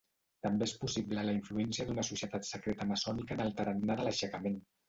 També és possible la influència d'una societat secreta maçònica en el tarannà de l'aixecament.